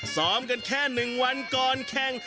ซ้อมกันแค่๑วันก่อนแข่ง